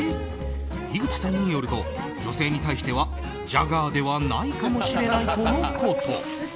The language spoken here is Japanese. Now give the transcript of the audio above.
樋口さんによると女性に対してはジャガーではないかもしれないとのこと。